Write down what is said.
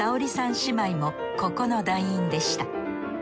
姉妹もここの団員でした。